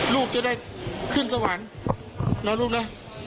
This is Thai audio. ลูกจะได้ขึ้นสวรรค์นะลูกนะ